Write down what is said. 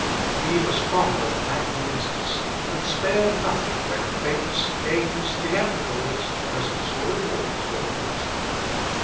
He was fond of magnificence, and spared nothing when fêtes, games, theatricals, presents or rewards, were in question.